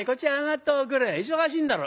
忙しいんだろ？」。